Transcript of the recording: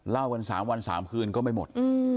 เล่ากันสามวันสามคืนก็ไม่หมด